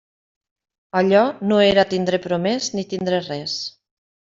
Allò no era tindre promès ni tindre res.